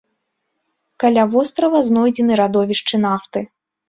Каля вострава знойдзены радовішчы нафты.